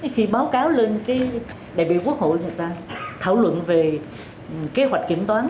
khi báo cáo lên đại biểu quốc hội người ta thảo luận về kế hoạch kiểm toán